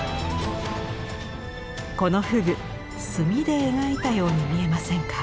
この河豚墨で描いたように見えませんか？